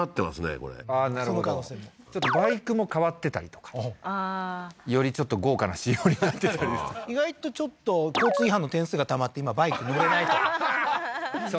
これその可能性もバイクも替わってたりとかああーよりちょっと豪華な仕様になってたり意外とちょっと交通違反の点数がたまって今バイク乗れないとかははははっ